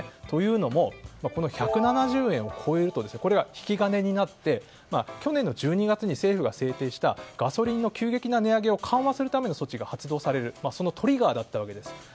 というのも、１７０円を超えるとこれが引き金になって去年の１２月に政府が制定したガソリンの急激な値上げを緩和するための措置を発動するそのトリガーだったわけです。